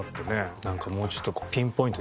なんかもうちょっと。